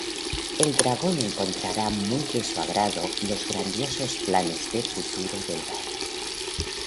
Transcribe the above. El Dragón encontrará muy de su agrado los grandiosos planes de futuro del Gallo.